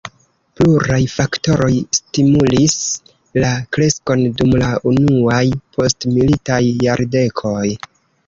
Pluraj faktoroj stimulis la kreskon dum la unuaj postmilitaj jardekoj.